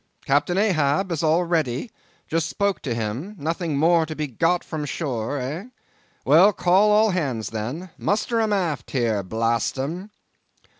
Captain Ahab is all ready—just spoke to him—nothing more to be got from shore, eh? Well, call all hands, then. Muster 'em aft here—blast 'em!"